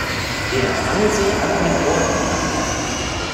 Er hangelt sich an einem Rohr entlang.